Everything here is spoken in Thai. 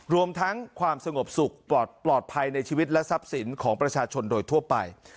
รวมทั้งความสงบสุขปลอดภัยในชีวิตและทรัพย์สินของประชาชนโดยทั่วไป